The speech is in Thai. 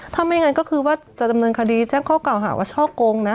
ถ้าไม่งั้นก็คือว่าจะดำเนินคดีแจ้งข้อเก่าหาว่าช่อโกงนะ